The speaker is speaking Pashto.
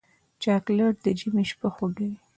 چاکلېټ د ژمي شپه خوږوي.